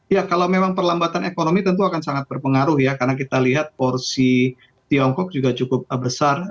ya kalau memang perlambatan ekonomi tentu akan sangat berpengaruh ya karena kita lihat porsi tiongkok juga cukup besar